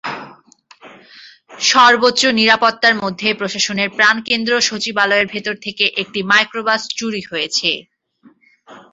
সর্বোচ্চ নিরাপত্তার মধ্যেই প্রশাসনের প্রাণকেন্দ্র সচিবালয়ের ভেতর থেকে একটি মাইক্রোবাস চুরি হয়েছে।